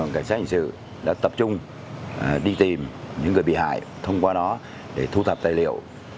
cảnh sát hình sự đã tập trung đi tìm những người bị hại thông qua nó để thu thập tài liệu